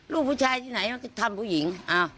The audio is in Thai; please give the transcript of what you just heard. ลูกผู้ชายที่ไหนมันก็ทำผู้หญิง